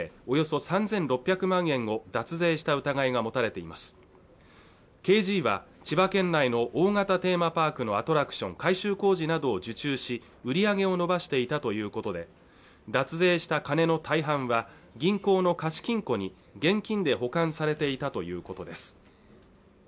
およそ３６００万円を脱税した疑いが持たれていますＫ．Ｇは千葉県内の大型テーマパークのアトラクション改修工事などを受注し売り上げを伸ばしていたということで脱税した金の大半は銀行の貸金庫に現金で保管されていたということです